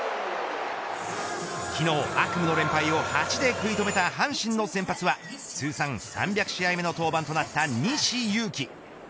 昨日、悪夢の連敗を８で食い止めた阪神の先発は通算３００試合目の登板となった西勇輝。